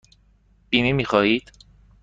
بیمه می خواهید؟